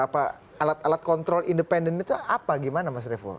apa alat alat kontrol independen itu apa gimana mas revo